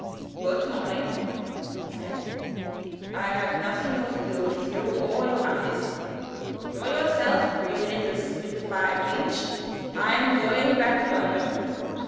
"Goot morning," he said. "I have nothing more to do with you or your eyes. Cure yourself, you little spitfire Feench. I am going back to London."